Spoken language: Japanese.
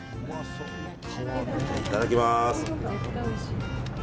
いただきます。